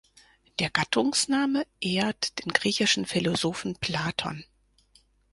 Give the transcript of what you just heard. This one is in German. Der Gattungsname ehrt den griechischen Philosophen Platon.